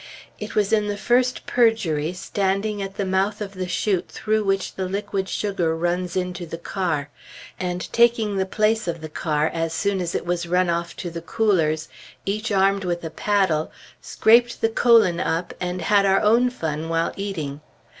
It was in the first purgery, standing at the mouth of the chute through which the liquid sugar runs into the car; and taking the place of the car as soon as it was run off to the coolers, each armed with a paddle, scraped the colon up and had our own fun while eating.